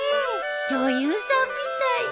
女優さんみたいね。